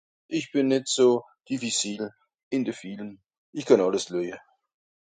ìsch bìn nìt so difficile ìn de film ìsch kànn àlles leuje